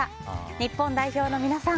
日本代表の皆さん